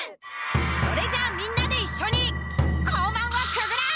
それじゃあみんなでいっしょに校門をくぐろう！